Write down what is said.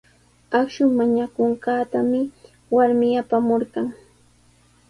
Akshu mañakullanqaatami warmi apamurqan.